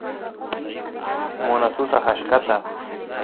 munasusaq achkata